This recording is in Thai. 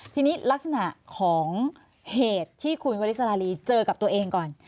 ทีนี้ลักษณะของเหตุที่คุณวริสราลีเจอกับตัวเองก่อน